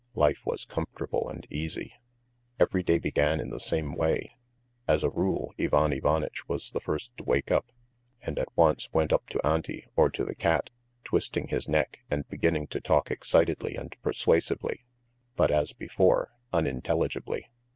Life was comfortable and easy. Every day began in the same way. As a rule, Ivan Ivanitch was the first to wake up, and at once went up to Auntie or to the cat, twisting his neck, and beginning to talk excitedly and persuasively, but, as before, unintelligibly.